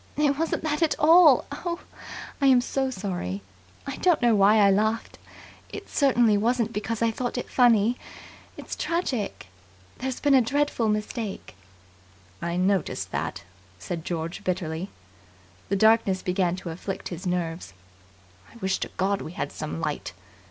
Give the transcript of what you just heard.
It wasn't that at all. Oh, I am so sorry. I don't know why I laughed. It certainly wasn't because I thought it funny. It's tragic. There's been a dreadful mistake!" "I noticed that," said George bitterly. The darkness began to afflict his nerves. "I wish to God we had some light."